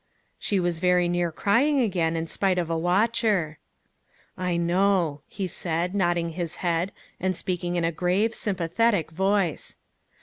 She was very near crying again, in spite of a watcher. "I know," he said, nodding his head, and speaking in a grave, sympathetic voice.